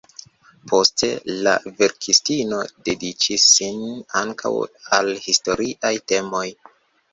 Poste, la verkistino dediĉis sin ankaŭ al historiaj temoj.